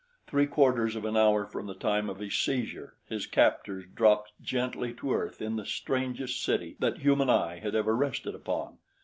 Three quarters of an hour from the time of his seizure his captors dropped gently to earth in the strangest city that human eye had ever rested upon.